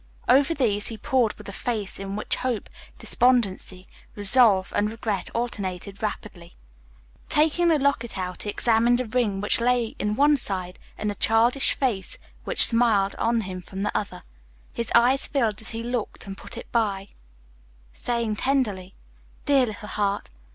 Over these he pored with a face in which hope, despondency, resolve, and regret alternated rapidly. Taking the locket out he examined a ring which lay in one side, and the childish face which smiled on him from the other. His eyes filled as he locked and put it by, saying tenderly, "Dear little heart!